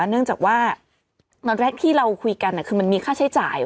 เนื่องจากว่าตอนแรกที่เราคุยกันคือมันมีค่าใช้จ่าย